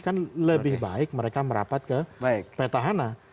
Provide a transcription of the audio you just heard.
kan lebih baik mereka merapat ke petahana